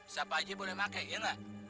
siapa haji boleh pakai ya enggak